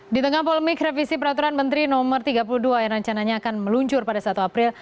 di tengah polemik revisi peraturan menteri no tiga puluh dua yang rencananya akan meluncur pada satu april